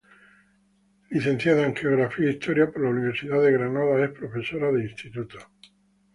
Licenciada en Geografía e Historia por la Universidad de Granada, es profesora de instituto.